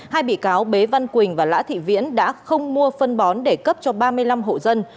hai bị cáo bế văn quỳnh và lã thị viễn đã không mua phân bón để cấp cho ba mươi năm hộ dân